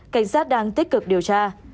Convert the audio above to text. cảnh sát đang tích cực điều tra